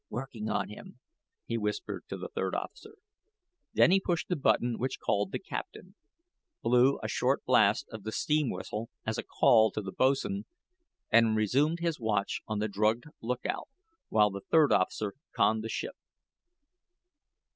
"Working on him," he whispered to the third officer. Then he pushed the button which called the captain, blew a short blast of the steam whistle as a call to the boatswain, and resumed his watch on the drugged lookout, while the third officer conned the ship.